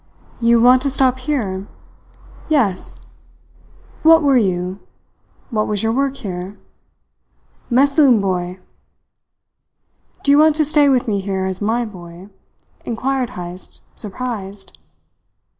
"You want to stop here?" "Yes." "What were you? What was your work here?" "Mess loom boy." "Do you want to stay with me here as my boy?" inquired Heyst, surprised.